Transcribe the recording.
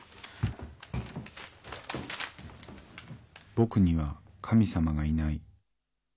「僕には神様がいない。